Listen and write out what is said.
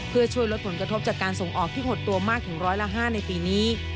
เพื่อช่วยลดผลกระทบจากการส่งออกที่หดตัวมากถึงร้อยละ๕ในปีนี้